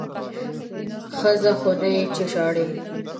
ښځه خو نه یې چې ژاړې!